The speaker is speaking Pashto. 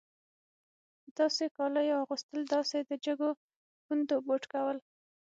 د داسې کالیو اغوستل داسې د جګو پوندو بوټ کول.